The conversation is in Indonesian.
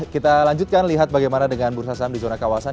kita lanjutkan lihat bagaimana dengan bursa saham di zona kawasan